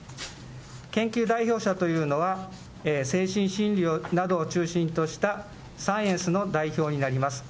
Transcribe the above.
研究代表者というのは、精神心理などを中心としたサイエンスの代表になります。